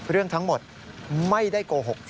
เรื่องทั้งหมดไม่ได้โกหก